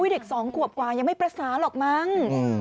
เด็ก๒ขวบกว่ายังไม่ประสานหรอกมั้ง